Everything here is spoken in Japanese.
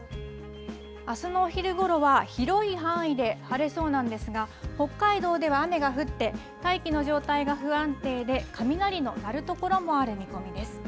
あすのお昼ごろは、広い範囲で晴れそうなんですが、北海道では雨が降って、大気の状態が不安定で、雷の鳴る所もある見込みです。